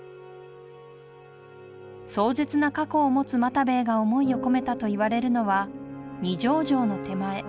壮絶な過去を持つ又兵衛が想いを込めたといわれるのは二条城の手前